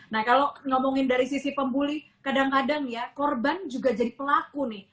nah kalau ngomongin dari sisi pembuli kadang kadang ya korban juga jadi pelaku nih